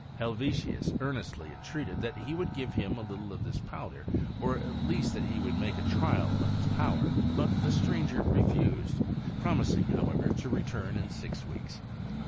Helvetius earnestly entreated that he would give him a little of this powder, or at least that he would make a trial of its power ; but the stranger refbsedy promising however to return in six weeks.